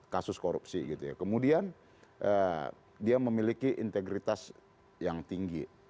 kasus korupsi gitu ya kemudian dia memiliki integritas yang tinggi